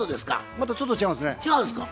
またちょっと違うんですね。